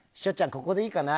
ここでいいかな？